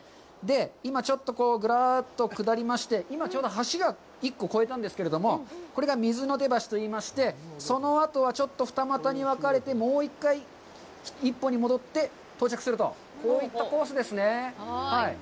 今ちょっとぐっと下りまして、今、ちょうど橋を１つ、越えたんですけれども、これが水の手橋といいまして、その後はちょっと二股に別れてもう一回、一本に戻って到着するとこういったコースですね。